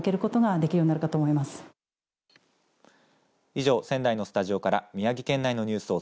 以上、仙台のスタジオから宮城県内のニュースを